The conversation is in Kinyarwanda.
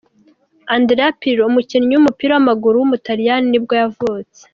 Andrea Pirlo, umukinnyi w’umupira w’amaguru w’umutaliyani nibwo yavutse.